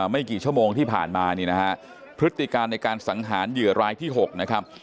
ไม่กี่ชั่วโมงที่ผ่านมานี่นะฮะพฤติการในการสังหารเหยื่อรายที่๖นะครับ